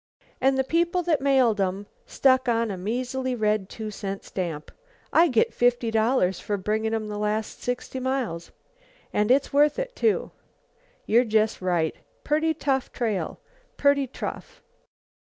"And the people that mailed 'em stuck on a measly red two cent stamp. I git fifty dollars for bringin' 'em the last sixty miles." "And it's worth it, too." "You're just right. Pretty tough trail. Pretty tough!